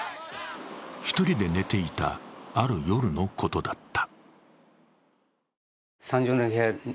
１人で寝ていた、ある夜のことだった。